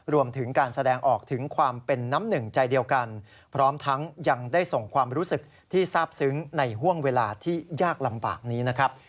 รวมถึงการแสดงออกถึงความเป็นน้ำหนึ่งใจเดียวกันพร้อมทั้งยังได้ส่งความรู้สึกที่ทราบซึ้งในห่วงเวลาที่ยากลำบากนี้นะครับ